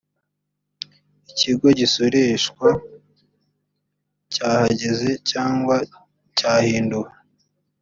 ikigo gisoreshwa cyahagaze cyangwa cyahinduwe